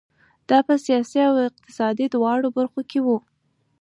دا په سیاسي او اقتصادي دواړو برخو کې وو.